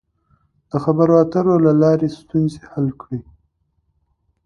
د خبرو اترو له لارې ستونزې حل کړئ.